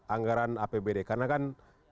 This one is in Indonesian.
anggaran apbd karena kan